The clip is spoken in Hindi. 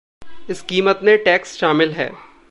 इस कीमत में टैक्स शामिल है।